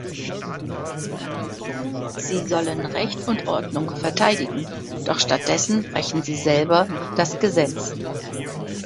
Sie sollen Recht und Ordnung verteidigen, doch stattdessen brechen sie selber das Gesetz.